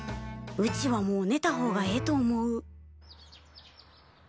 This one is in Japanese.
うちはもうねた方がええと思う。